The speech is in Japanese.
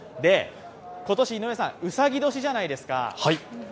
今年、うさぎ年じゃないですか。